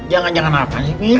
jangan jangan apa nih mir